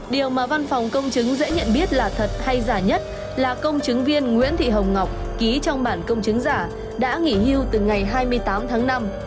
điều mà văn phòng công chứng dễ nhận biết là thật hay giả nhất là công chứng viên nguyễn thị hồng ngọc ký trong bản công chứng giả đã nghỉ hưu từ ngày hai mươi tám tháng năm